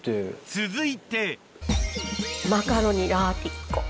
続いてマカロニラーティッコ。